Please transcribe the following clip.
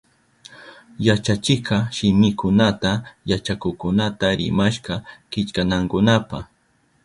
Yachachikka shimikunata yachakukkunata rimashka killkanankunapa.